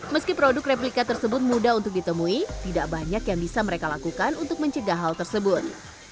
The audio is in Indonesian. meski produk replika tersebut mudah untuk ditemui tidak banyak yang bisa mereka lakukan untuk mencegah hal tersebut